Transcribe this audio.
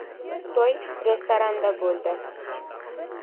To‘y restoranda bo‘ldi.